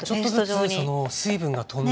ちょっとずつ水分が飛んで。